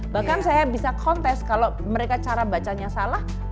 bahkan saya bisa kontes kalau mereka cara bacanya salah